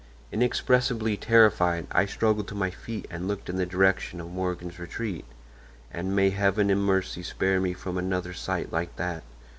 Inexpressibly terrified, I struggled to my feet and looked in the direction of Morgan's retreat; and may Heaven in mercy spare me from another sight like that!